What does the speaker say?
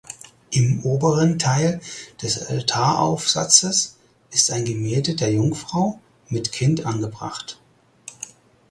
Im oberen Teil des Altaraufsatzes ist ein Gemälde der Jungfrau mit Kind angebracht.